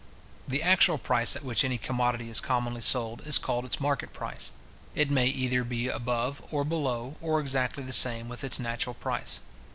The actual price at which any commodity is commonly sold, is called its market price. It may either be above, or below, or exactly the same with its natural price.